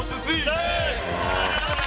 はい！